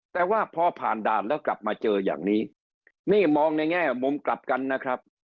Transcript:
แต่ว่าพอผ่านด่านแล้วกลับมาเจออย่างนี้นี่มองในแง่มุมกลับกันนะครับ